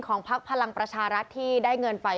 พักพลังประชารัฐที่ได้เงินไป